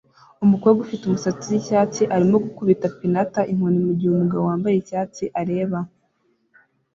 Umukobwa ufite umusatsi wicyatsi arimo gukubita pinata inkoni mugihe umugabo wambaye icyatsi areba